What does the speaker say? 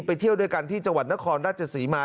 ไปเที่ยวด้วยกันที่จนครราชศรีมา